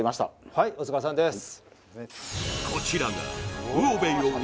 はいお疲れさまです